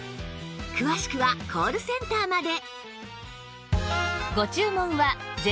詳しくはコールセンターまで